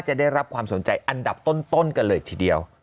ได้รับความสนใจอันดับต้นกันเลยทีเดียว